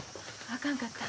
あかんかったん。